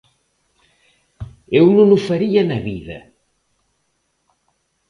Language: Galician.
Eu non o faría na vida.